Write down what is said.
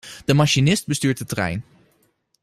De machinist bestuurt de trein.